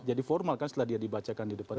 jadi formal kan setelah dia dibacakan di depan itu